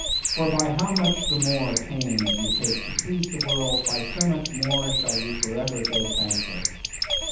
For by how much the more pains ye take to please the world, by so much the more shall ye for ever go thankless!